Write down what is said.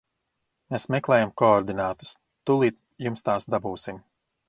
Mēs meklējam koordinātas, tūlīt jums tās dabūsim.